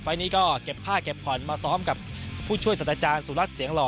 นี้ก็เก็บผ้าเก็บผ่อนมาซ้อมกับผู้ช่วยสัตว์อาจารย์สุรัสตเสียงหล่อ